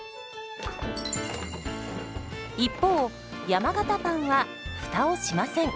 一方山型パンはフタをしません。